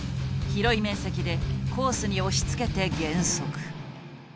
広い面積でコースに押しつけて減速。